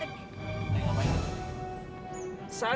pak aku tadi itu dipangkat sama dia